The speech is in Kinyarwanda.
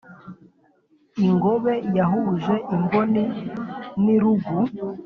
ingobe yahuje imboni n’irugu.